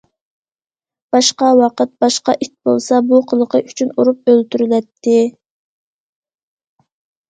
باشقا ۋاقىت، باشقا ئىت بولسا، بۇ قىلىقى ئۈچۈن ئۇرۇپ ئۆلتۈرۈلەتتى.